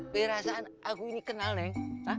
perasaan aku ini kenal neng